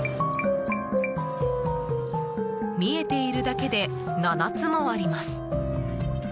見えているだけで７つもあります。